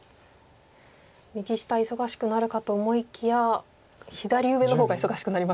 右下忙しくなるかと思いきや左上の方が忙しくなりましたね。